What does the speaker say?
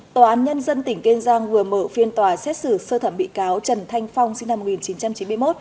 tòa án nhân dân tỉnh kiên giang vừa mở phiên tòa xét xử sơ thẩm bị cáo trần thanh phong sinh năm một nghìn chín trăm chín mươi một